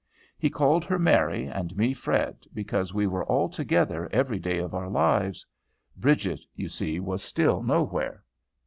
He called her Mary, and me Fred, because we were all together every day of our lives. Bridget, you see, was still nowhere.